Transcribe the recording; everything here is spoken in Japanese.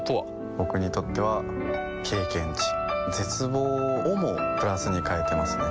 僕にとっては経験値絶望をもプラスに変えていますね